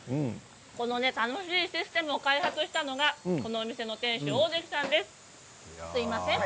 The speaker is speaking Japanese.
この新しいシステムを開発したのがこの店の店主、大関さんです。